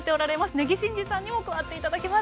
根木慎志さんにも加わっていただきます。